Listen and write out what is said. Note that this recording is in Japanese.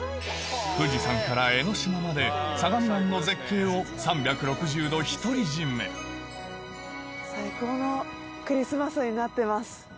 富士山から江の島まで相模湾の絶景を３６０度独り占めになってます。